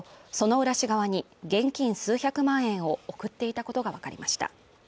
薗浦氏側に現金数百万円を送っていたことが分かりました